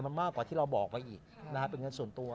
มันมากกว่าที่เราบอกไปอีกนะฮะเป็นเงินส่วนตัว